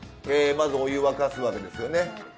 まずお湯沸かすわけですよね。